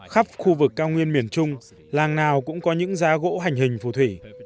khắp khu vực cao nguyên miền trung làng nào cũng có những giá gỗ hành hình phù thủy